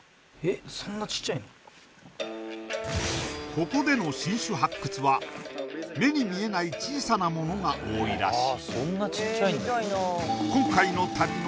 ここでの新種発掘は目に見えない小さなものが多いらしい